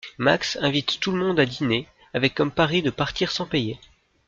Max invite tout le monde à diner, avec comme pari de partir sans payer.